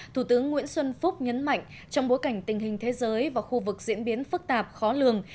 thủ tướng nguyễn xuân phúc nhấn mạnh trong bối cảnh tình hình thế giới và khu vực diễn biến phức tạp khó lường